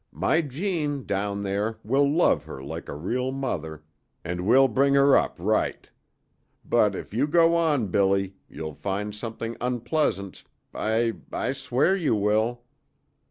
My Jeanne, down there, will love her like a real mother, and we'll bring her up right. But if you go on, Billy, you'll find something unpleasant I I swear you will!"